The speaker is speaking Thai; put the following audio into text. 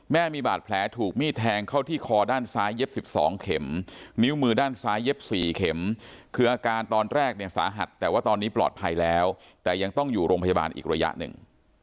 มีบาดแผลถูกมีดแทงเข้าที่คอด้านซ้ายเย็บ๑๒เข็มนิ้วมือด้านซ้ายเย็บ๔เข็มคืออาการตอนแรกเนี่ยสาหัสแต่ว่าตอนนี้ปลอดภัยแล้วแต่ยังต้องอยู่โรงพยาบาลอีกระยะหนึ่ง